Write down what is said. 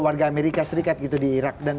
warga amerika serikat di irak